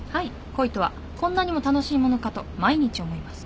恋とはこんなにも楽しいものかと毎日思います。